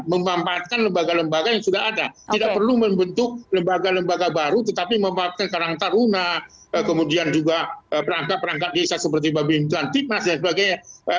memanfaatkan lembaga lembaga yang sudah ada tidak perlu membentuk lembaga lembaga baru tetapi memanfaatkan karang taruna kemudian juga perangkat perangkat desa seperti babintan timnas dan sebagainya